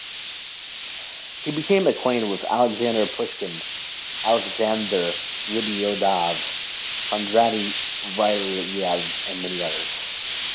He became acquainted with Alexander Pushkin, Aleksander Griboyedov, Kondraty Ryleyev and many others.